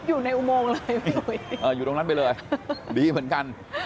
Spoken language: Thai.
อยู่ในอุโมงเลยพี่อุ๋ยอยู่ตรงนั้นไปเลยดีเหมือนกัน